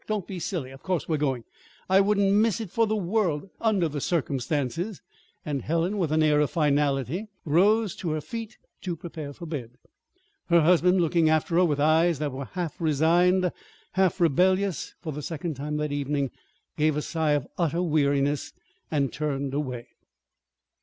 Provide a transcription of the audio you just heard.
Don't be silly. Of course we're going! I wouldn't miss it for the world under the circumstances." And Helen, with an air of finality, rose to her feet to prepare for bed. Her husband, looking after her with eyes that were half resigned, half rebellious, for the second time that evening gave a sigh of utter weariness, and turned away.